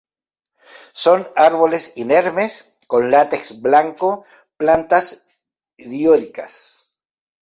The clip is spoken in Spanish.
Son árboles inermes, con látex blanco; plantas dioicas.